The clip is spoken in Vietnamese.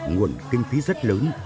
nguồn kinh phí rất lớn